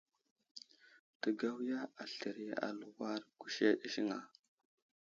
Təgawiya aslər i aluwar kuseɗ ziŋ a ?